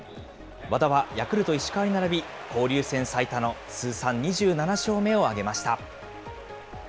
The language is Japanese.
和田はヤクルト、石川に並び、交流戦最多の通算２７勝目を挙げました。